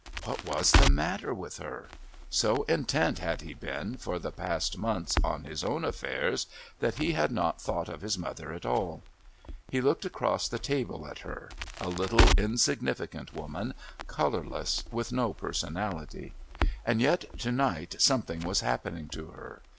What was the matter with her? So intent had he been, for the past months, on his own affairs that he had not thought of his mother at all. He looked across the table at her a little insignificant woman, colourless, with no personality. And yet to night something was happening to her.